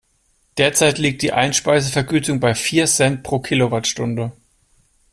Derzeit liegt die Einspeisevergütung bei vier Cent pro Kilowattstunde.